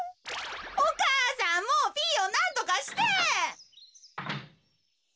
お母さんもうピーヨンなんとかして！